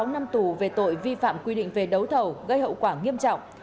sáu năm tù về tội vi phạm quy định về đấu thầu gây hậu quả nghiêm trọng